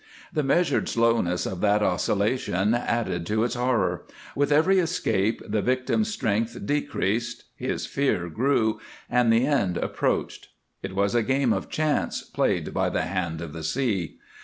The measured slowness of that oscillation added to its horror; with every escape the victim's strength decreased, his fear grew, and the end approached. It was a game of chance played by the hand of the sea.